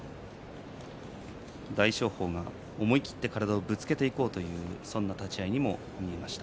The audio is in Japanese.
大翔鵬が思い切って体をぶつけていこうというそんな立ち合いにも見えました。